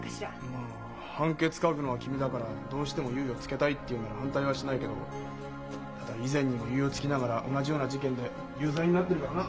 まあ判決書くのは君だからどうしても猶予をつけたいって言うんなら反対はしないけどただ以前にも猶予つきながら同じような事件で有罪になってるからな。